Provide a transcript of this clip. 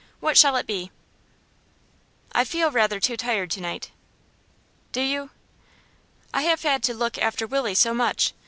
What shall it be?' 'I feel rather too tired to night.' 'Do you?' 'I have had to look after Willie so much.